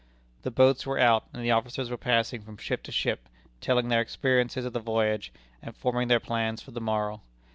The boats were out, and the officers were passing from ship to ship, telling their experiences of the voyage, and forming their plans for the morrow.